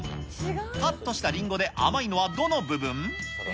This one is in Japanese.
カットしたりんごで甘いのはどの部分？